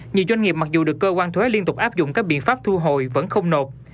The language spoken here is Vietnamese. nhiều doanh nghiệp mặc dù được cơ quan thuế liên tục áp dụng các biện pháp thu hồi vẫn không nộp